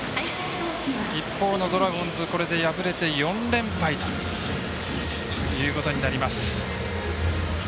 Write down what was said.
一方のドラゴンズ、これで敗れて４連敗ということになります。